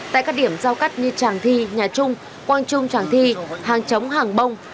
tại các điểm giao cắt như tràng thi nhà trung quang trung tràng thi hàng chống hàng bông